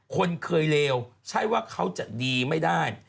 คนเคยเลวใช่ว่าเขาจะดีไม่ได้